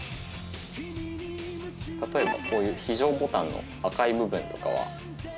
例えばこういう非常ボタンの赤い部分とかは。